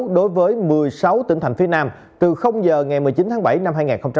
đối với một mươi sáu tỉnh thành phía nam từ giờ ngày một mươi chín tháng bảy năm hai nghìn hai mươi